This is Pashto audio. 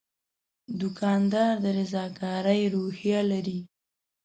دوکاندار د رضاکارۍ روحیه لري.